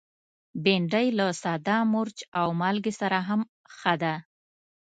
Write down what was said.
بېنډۍ له ساده مرچ او مالګه سره هم ښه ده